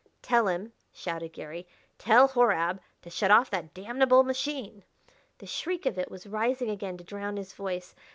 "Tell him," shouted Garry, " tell Horab to shut off that damnable machine!" The shriek of it was rising again to drown his voice.